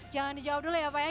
jangan dijawab dulu ya pak ya